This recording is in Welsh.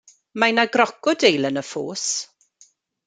Mae 'na grocodeil yn y ffos.